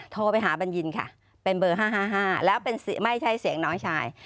โทรไปหาบัญญินค่ะเป็นเบอร์๕๕แล้วไม่ใช่เสียงน้องชาย